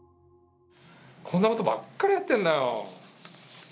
こんなことばっかりやってんだよ。